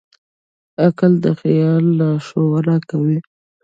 عقل د خیال لارښوونه کوي.